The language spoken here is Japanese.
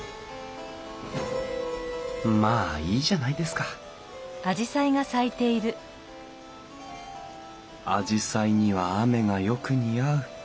まあいいじゃないですかアジサイには雨がよく似合う。